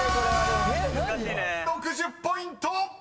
［６０ポイント！］